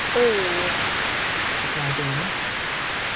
"All," replied the woman.